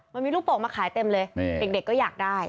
มันมีลูกโป่งมาขายเต็มเลยเด็กก็อยากได้